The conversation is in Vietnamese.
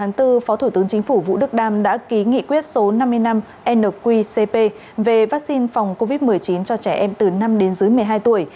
tháng bốn phó thủ tướng chính phủ vũ đức đam đã ký nghị quyết số năm mươi năm nqcp về vaccine phòng covid một mươi chín cho trẻ em từ năm đến dưới một mươi hai tuổi